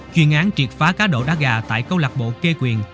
chuyên án triệt phá cá độ đá gà tại câu lạc bộ kê quyền